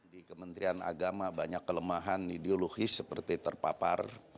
di kementerian agama banyak kelemahan ideologis seperti terpapar